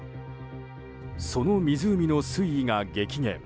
その湖の水位が激減。